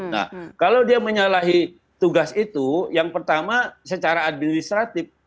nah kalau dia menyalahi tugas itu yang pertama secara administratif